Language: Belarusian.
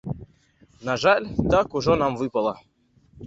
На жаль, так ужо нам выпала.